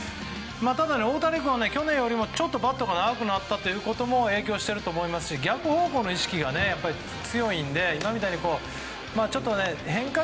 ただ、大谷君は去年よりもちょっとバットが長くなったことも影響していると思いますし逆方向への意識が強いので。